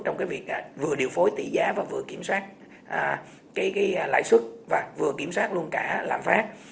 trong việc vừa điều phối tỷ giá và vừa kiểm soát lãi xuất và vừa kiểm soát luôn cả làm phát